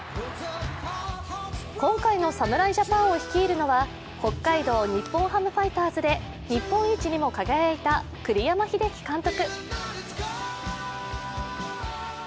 今回の侍ジャパンを率いるのは、北海道日本ハムファイターズで日本一にも輝いた栗山英樹監督。